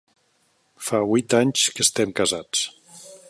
Fa huit anys que estem casats.